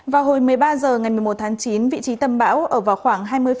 vào hồi một mươi ba h ngày một mươi một tháng chín vị trí tâm bão ở vào khoảng